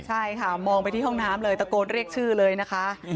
ใช่ค่ะมองไปที่ห้องน้ำเลยตะโกนเรียกชื่อเลยนะคะ